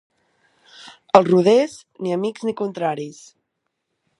Els roders, ni amics ni contraris.